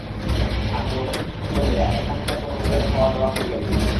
আমি রমেশকে সঙ্গে লইয়া এখানকার কোনো হোটেলে খাওয়া-দাওয়া করিয়া লইব।